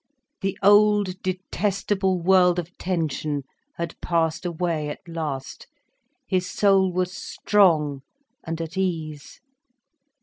The old, detestable world of tension had passed away at last, his soul was strong and at ease.